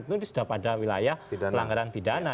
itu sudah pada wilayah pelanggaran pidana